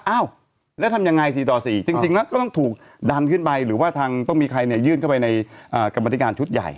อ้าวแล้วทำยังไง๔ต่อ๔จริงแล้วก็ต้องถูกดันขึ้นไปหรือว่าทางต้องมีใครเนี่ยยื่นเข้าไปในกรรมธิการชุดใหญ่